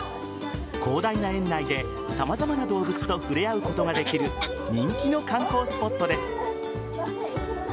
広大な園内で、様々な動物と触れ合うことができる人気の観光スポットです。